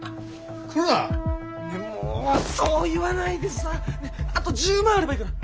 もうそう言わないでさあと１０万あればいいから。